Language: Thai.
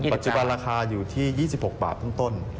ปัจจุบันราคาอยู่ที่๒๖บาทต้น